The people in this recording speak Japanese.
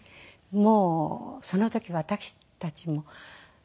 もうその時私たちも。